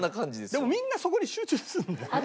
でもみんなそこに集中するんだよね。